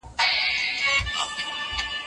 د موبایل غږ زما د مطالعې په وخت کې فکر ګډوډ کړ.